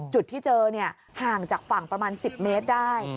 จุดที่เจอห่างจากฝั่งประมาณ๑๐เมตรได้